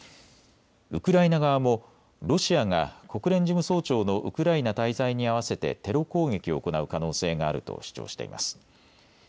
ウクライナ側もロシアが国連事務総長のウクライナ滞在に合わせてテロ攻撃を行う可能性があると主張しています。